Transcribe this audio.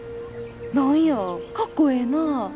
何やかっこええなぁ。